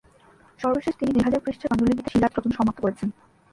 সর্বশেষ তিনি দুই হাজার পৃষ্ঠার পাণ্ডুলিপিতে সীরাত রচনা সমাপ্ত করেছেন।